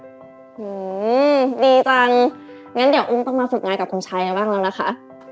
อืมดีจังงั้นเดี๋ยวอุ้มต้องมาฝึกงานกับคุณชัยกันบ้างแล้วนะคะ